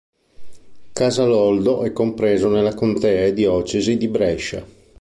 Casaloldo è compreso nella contea e diocesi di Brescia.